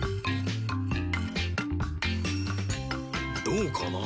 どうかな？